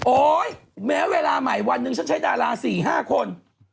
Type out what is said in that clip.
แม้เวลาใหม่วันหนึ่งฉันใช้ดารา๔๕คน